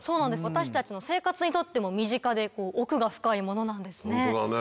私たちの生活にとっても身近で奥が深いものなんですね。